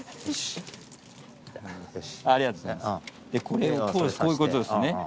これをこういうことですね。